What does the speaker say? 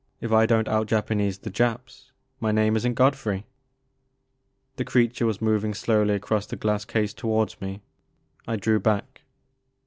If I don't out Japanese the Japs my name is n*t Godfrey.*' Hie creature was moving slowly across the glass case towards me. I drew back.